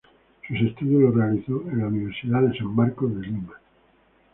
Sus estudios los realizó en la Universidad de San Marcos de Lima.